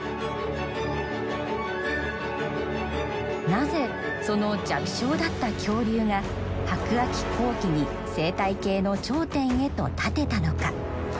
なぜその弱小だった恐竜が白亜紀後期に生態系の頂点へと立てたのか？